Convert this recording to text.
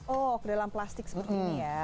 oh ke dalam plastik seperti ini ya